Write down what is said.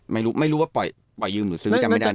ไม่รู้ว่าปล่อยยืมหรือซื้อจำไม่ได้